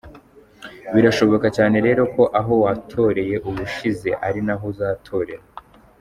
Birashoboka cyane rero ko aho watoreye ubushize ari naho uzatorera.